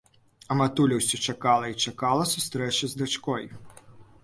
А матуля ўсе чакала і чакала сустрэчы з дачкой